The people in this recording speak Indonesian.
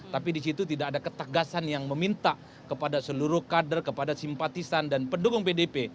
tapi di situ tidak ada ketegasan yang meminta kepada seluruh kader kepada simpatisan dan pendukung pdp